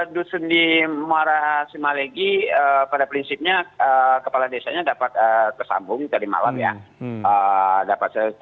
dusun di muara semalegi pada prinsipnya kepala desanya dapat tersambung tadi malam ya